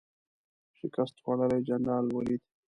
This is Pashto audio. شکست خوړلی جنرال ولید.